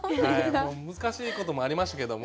難しいこともありましたけども